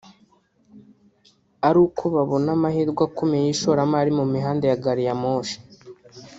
ari uko bubona amahirwe akomeye y’ishoramari mu mihanda ya gari ya moshi